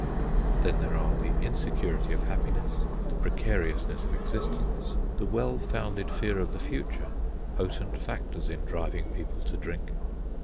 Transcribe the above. Then there are the insecurity of happiness, the precariousness of existence, the well founded fear of the future—potent factors in driving people to drink.